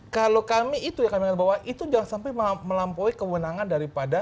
kalau kami itu yang kami mengatakan bahwa itu jangan sampai melampaui kewenangan daripada